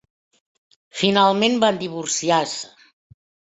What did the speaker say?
Finalment van divorciar-se.